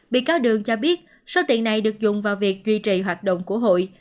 bị cáo đường cho biết số tiền này được dùng vào việc duy trì hoạt động của hội